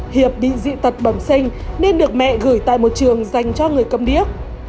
hiệp bị dị tật bẩm sinh nên được mẹ gửi tại một trường dành cho người cầm điếc